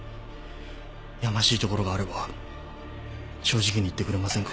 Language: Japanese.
やましいところがあれば正直に言ってくれませんか？